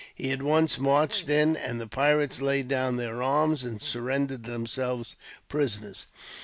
He at once marched in, and the pirates laid down their arms, and surrendered themselves prisoners.